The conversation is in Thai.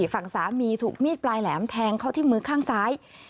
ฝั่งสามีถูกมีดปลายแหลมแทงเข้าที่มือข้างซ้าย